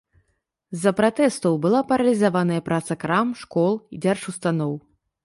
З-за пратэстаў была паралізаваная праца крам, школ і дзяржустаноў.